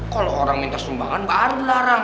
kalau orang minta sumbangan baru dilarang